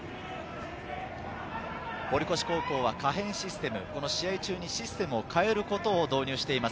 堀越高校は可変システム、試合中にシステムを変えることを導入しています。